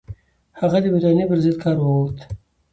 هغه د برټانیې پر ضد کار وغوښت.